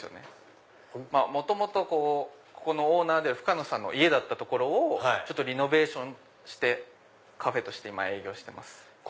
元々ここのオーナーである深野さんの家だった所をリノベーションしてカフェとして今営業してます。